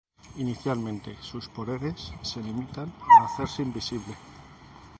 Inicialmente, sus poderes se limitan a hacerse invisible.